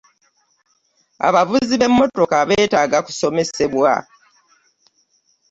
Abavuzi b'emmotoka beetaaga kusomesebwa.